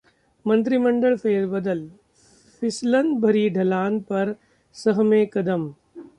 मंत्रिमंडल फेरबदल: फिसलन भरी ढलान पर सहमे कदम